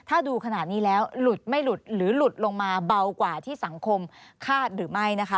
ถ้าดูขนาดนี้แล้วหลุดไม่หลุดหรือหลุดลงมาเบากว่าที่สังคมคาดหรือไม่นะคะ